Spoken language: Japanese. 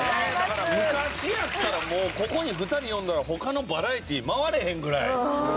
だから昔やったらここに２人呼んだら他のバラエティー回れへんぐらい。